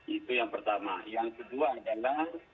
itu yang pertama yang kedua adalah